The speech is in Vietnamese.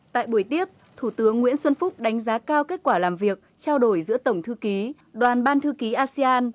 tại buổi tiếp thủ tướng nguyễn xuân phúc đánh giá cao kết quả làm việc trao đổi giữa tổng thư ký đoàn ban thư ký asean